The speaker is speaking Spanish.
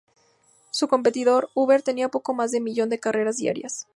Su competidor, Uber, tenía poco más de un millón de carreras diarias.